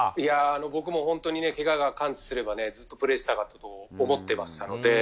僕も本当にけがが完治すればずっとプレーしたかったと思ってましたので。